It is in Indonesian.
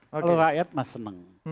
kalau rakyat masih seneng